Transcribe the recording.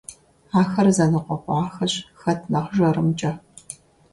Ахэр зэныкъуэкъуахэщ хэт нэхъ жэрымкӀэ.